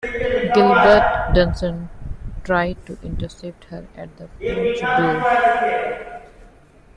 Gilbert Duncan tried to intercept her at the porch door.